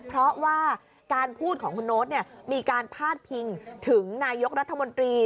เพราะว่าการพูดของคุณโน๊ตมีการพาดพิงถึงนายกรัฐมนตรี